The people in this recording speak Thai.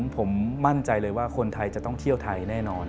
ผมมั่นใจเลยว่าคนไทยจะต้องเที่ยวไทยแน่นอน